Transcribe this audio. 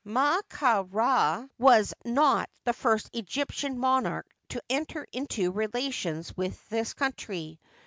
Ma ka Ra was not the first Egyptian monarch to enter into relations with this country.